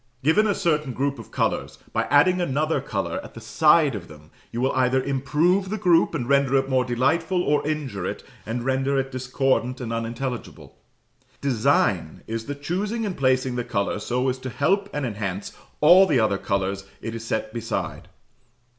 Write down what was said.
Given a certain group of colours, by adding another colour at the side of them, you will either improve the group and render it more delightful, or injure it, and render it discordant and unintelligible. "Design" is the choosing and placing the colour so as to help and enhance all the other colours it is set beside.